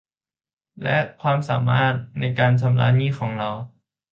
และความสามารถในการชำระหนี้ของเรา